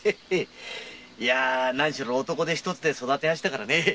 男手一つで育てやしたからねぇ。